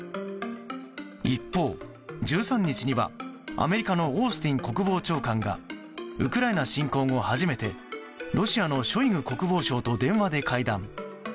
一方、１３日にはアメリカのオースティン国防長官がウクライナ侵攻後、初めてロシアのショイグ国防相と電話で会談。